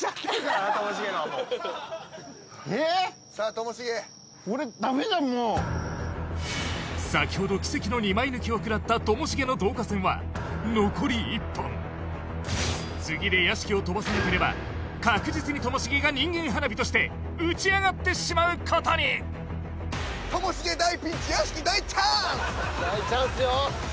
ともしげ俺ダメじゃんもう先ほど奇跡の２枚抜きをくらったともしげの導火線は残り１本次で屋敷をとばさなければ確実にともしげが人間花火として打ち上がってしまうことに・大チャンスよさ